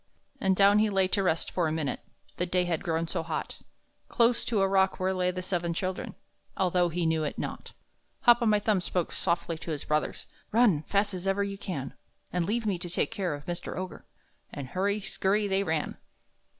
And down he lay to rest him for a minute The day had grown so hot Close to a rock where lay the seven children, Although he knew it not. Hop o' my thumb spoke softly to his brothers: "Run! fast as ever you can, And leave me to take care of Mr. Ogre." And hurry scurry they ran.